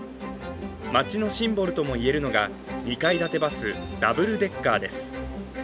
街のシンボルとも言えるのが２階建てバス、ダブルデッカーです。